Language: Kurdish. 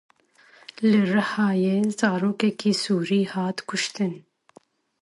Li Rihayê zarokekî Sûrî hat kuştin.